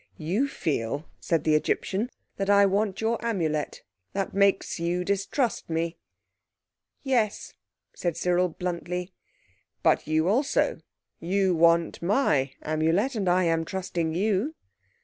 "You feel," said the Egyptian, "that I want your Amulet. That makes you distrust me." "Yes," said Cyril bluntly. "But you also, you want my Amulet, and I am trusting you."